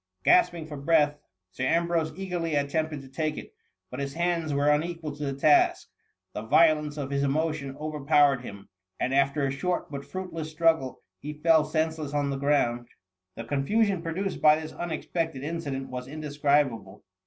Gasping for breath, Sir Ambrose eagerly at tempted to take itj but his hands were unequal to the task, the violence of his emotion over powered him, and after a short, but fruitless struggle, he fell senseless on the ground. 70 THE MUMMY. The confusion produced by this unexpected incident was indescribable.